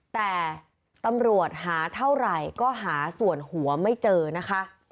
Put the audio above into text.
แต่ตำรวจหาเท่าไหร่ก็หาส่วนหัวไม่เจอนะคะ